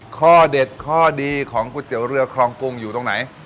ข้อเด็ดข้อดีของก๋วยเตี๋ยวเรือครองกรุงอยู่ตรงไหน